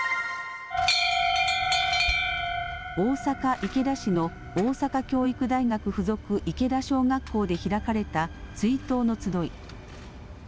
大阪、池田市の大阪教育大学附属池田小学校で開かれた追悼の集い。